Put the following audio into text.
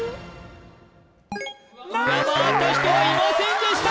上回った人はいませんでした！